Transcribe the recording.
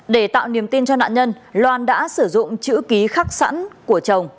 để tạo niềm tin cho nạn nhân loan đã sử dụng chữ ký khắc sẵn của chồng